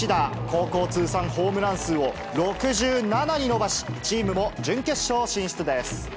高校通算ホームラン数を６７に伸ばし、チームも準決勝進出です。